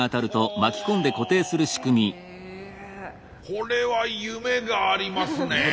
これは夢がありますね。